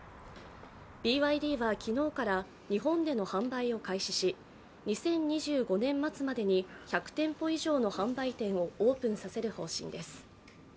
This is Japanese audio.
ＢＹＤは昨日から日本での販売を開始し２０２５年末までに１００店舗以上の販売店をオープンさせる方針です。